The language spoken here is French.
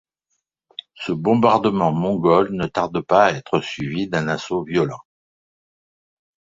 Ce bombardement mongol ne tarde pas à être suivi d'un assaut violent.